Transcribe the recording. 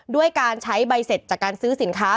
ด้วยการใช้ใบเสร็จจากการซื้อสินค้า